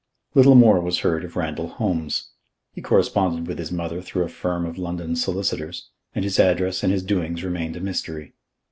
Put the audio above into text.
Little more was heard of Randall Holmes. He corresponded with his mother through a firm of London solicitors, and his address and his doings remained a mystery.